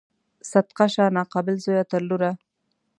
صدقه شه ناقابل زویه تر لوره